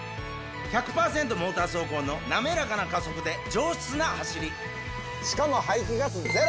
モーター走行の滑らかな加速で上質な走りしかも。